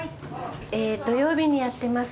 土曜日にやってます